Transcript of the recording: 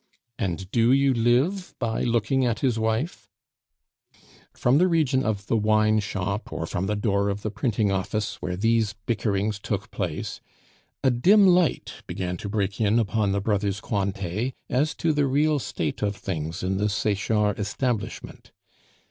"And do you live by looking at his wife?" From the region of the wineshop, or from the door of the printing office, where these bickerings took place, a dim light began to break in upon the brothers Cointet as to the real state of things in the Sechard establishment.